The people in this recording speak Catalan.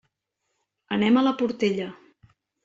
Anem a la Portella.